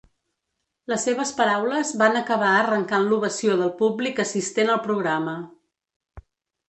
Les seves paraules van acabar arrencant l’ovació del públic assistent al programa.